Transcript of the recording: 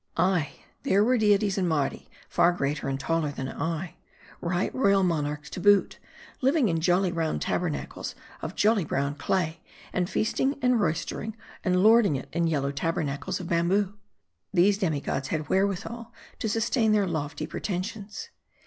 Ay : there were deities in Mardi far greater and taller M A R D I. 207 than I : right royal monarchs to boot, living in jolly round tabernacles of jolly brown clay ; and feasting, and royster ing, and lording it in yellow tabernacles of bamboo. These demi gods had wherewithal to sustain their lofty preten sions.